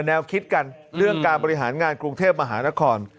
แนวคิดกันเรื่องการบริหารงานกรุงเทพมหานคร